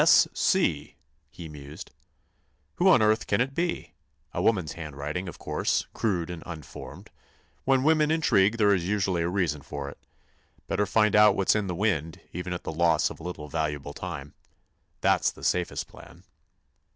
"'S. C.,'" he mused; "who on earth can it be? A woman's handwriting, of course, crude and unformed. When women intrigue there is usually a reason for it. Better find out what's in the wind, even at the loss of a little valuable time. That's the safest plan."